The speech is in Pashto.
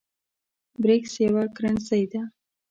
برېکس یوه کرنسۍ ده